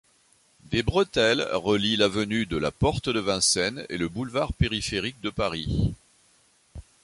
Des bretelles relient l’avenue de la Porte-de-Vincennes et le boulevard périphérique de Paris.